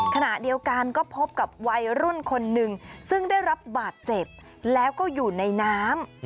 ขณะเดียวกันก็พบกับวัยรุ่นคนหนึ่งซึ่งได้รับบาดเจ็บแล้วก็อยู่ในน้ำ